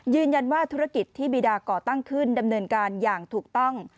ธุรกิจที่บีดาก่อตั้งขึ้นดำเนินการอย่างถูกต้อง